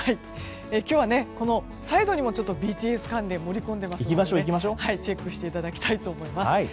今日はＢＴＳ関連盛り込んでいますのでチェックしていただきたいと思います。